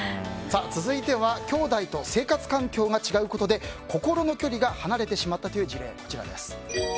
続いてはきょうだいと生活環境が違うことで心の距離が離れてしまったという事例です。